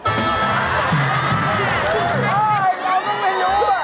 เขาไม่รู้